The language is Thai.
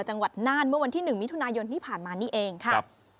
จังหวัดน่านเมื่อวันที่๑มิถุนายนที่ผ่านมานี่เองครับ